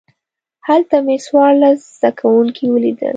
هلته مې څوارلس زده کوونکي ولیدل.